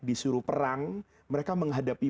disuruh perang mereka menghadapi